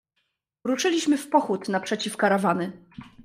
"Ruszyliśmy w pochód naprzeciw karawany."